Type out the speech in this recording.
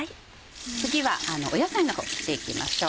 次は野菜の方切っていきましょう。